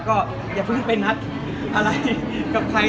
ก็อย่าเพิ่งไปนัดอะไรกับใคร